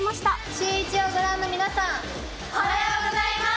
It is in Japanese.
シューイチをご覧の皆さん、おはようございます。